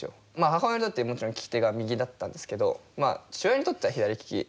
母親にとってもちろん利き手が右だったんですけど父親にとっては左利き。